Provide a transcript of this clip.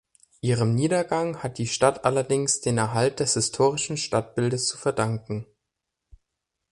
Ihrem Niedergang hat die Stadt allerdings den Erhalt des historischen Stadtbildes zu verdanken.